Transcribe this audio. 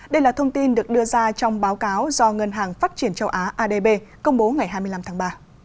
đây là thông tin được đưa ra trong báo cáo do ngân hàng phát triển châu á adb công bố ngày hai mươi năm tháng ba